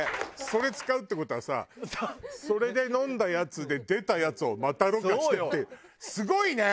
それ使うって事はさそれで飲んだやつで出たやつをまたろ過してっていうすごいね。